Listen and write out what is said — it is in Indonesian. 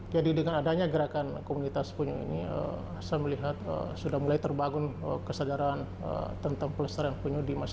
jadi dengan adanya gerakan komunitas penyu ini saya melihat sudah mulai terbangun kesadaran tentang pelestaran penyu di rumah penyu